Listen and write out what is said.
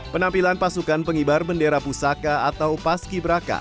penampilan pasukan pengibar bendera pusaka atau paski braka